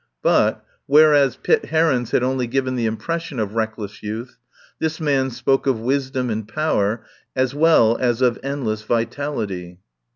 But, whereas Pitt Heron's had only given the impression of reckless youth, this man's spoke of wisdom and power as well as of endless vitality.